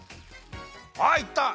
あいった！